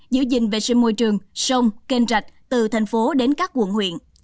giữ gìn vệ sinh môi trường sông kênh rạch từ thành phố đến các quận huyện